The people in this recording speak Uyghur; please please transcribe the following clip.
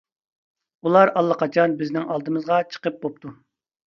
ئۇلار ئاللىقاچان بىزنىڭ ئالدىمىزغا چىقىپ بوپتۇ.